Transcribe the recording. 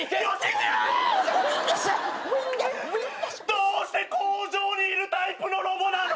どうして工場にいるタイプのロボなの！